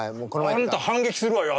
あんた反撃するわよ